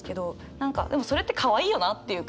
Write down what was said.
何かでもそれってかわいいよなっていうか。